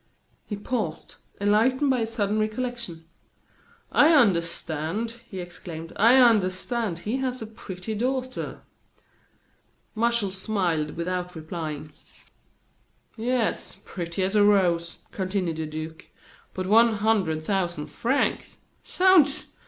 He paused, enlightened by a sudden recollection. "I understand!" he exclaimed; "I understand. He has a pretty daughter." Martial smiled without replying. "Yes, pretty as a rose," continued the duke; "but one hundred thousand francs! Zounds!